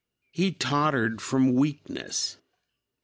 He tottered from weakness.